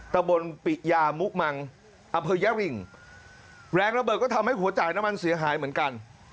ตะบนปิยามุงังอำเภอยะริงแรงระเบิดก็ทำให้หัวจ่ายน้ำมันเสียหายเหมือนกัน